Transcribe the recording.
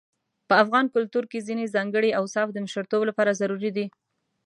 په افغان کلتور کې ځينې ځانګړي اوصاف د مشرتوب لپاره ضروري دي.